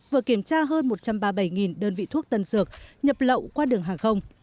vừa kiểm tra hơn một trăm ba mươi bảy đơn vị thuốc tân dược nhập lậu qua đường hàng không